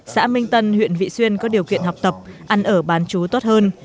xã minh tân huyện vị xuyên có điều kiện học tập ăn ở bán chú tốt hơn